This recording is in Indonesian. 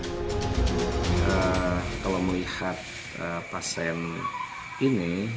kalau melihat pasien ini